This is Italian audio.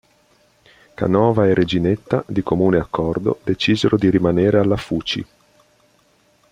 Canova e Reginetta, di comune accordo, decisero di rimanere alla Fuci.